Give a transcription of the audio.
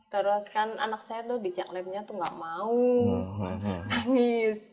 terus kan anak saya tuh di cak lab nya tuh nggak mau nangis